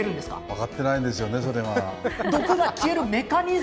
分かってないんですよね、それは。